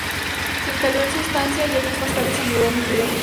Se instaló en su estancia, y años más tarde se mudó a Montevideo.